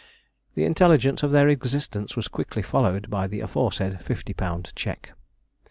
The intelligence of their existence was quickly followed by the aforesaid fifty pound cheque.